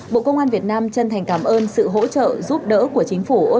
bộ công an việt nam chân thành cảm ơn sự hỗ trợ giúp đỡ của chính phủ